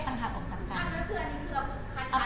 เขาเลิกกันหรือแยกหากันกันการเจนรับรองบุตรคือไม่ได้